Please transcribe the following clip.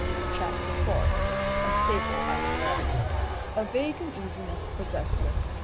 CHAPTER IV. UNSTABLE AS WATER. A vague uneasiness possessed her.